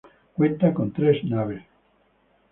Cuenta con tres naves.